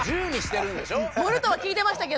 盛るとは聞いてましたけど。